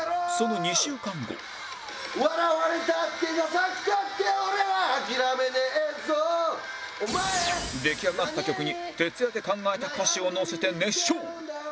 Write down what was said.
そしてもちろんその出来上がった曲に徹夜で考えた歌詞をのせて熱唱